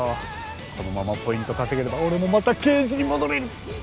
このままポイント稼げれば俺もまた刑事に戻れる。